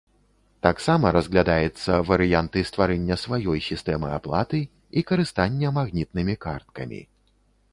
Таксама разглядаецца варыянты стварэння сваёй сістэмы аплаты і карыстання магнітнымі карткамі.